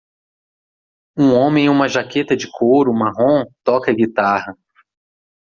Um homem em uma jaqueta de couro marrom toca guitarra